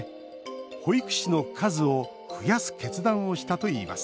保育士の数を増やす決断をしたといいます